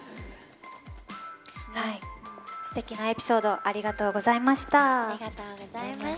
すてきなエピソードありがとうございました。